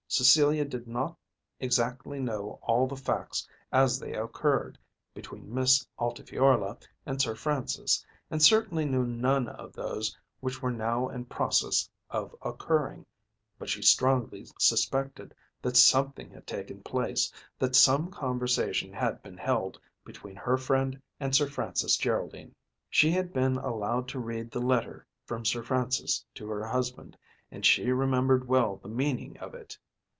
Cecilia did not exactly know all the facts as they had occurred, between Miss Altifiorla and Sir Francis, and certainly knew none of those which were now in process of occurring; but she strongly suspected that something had taken place, that some conversation had been held, between her friend and Sir Francis Geraldine. She had been allowed to read the letter from Sir Francis to her husband, and she remembered well the meaning of it.